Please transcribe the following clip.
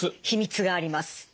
秘密があります。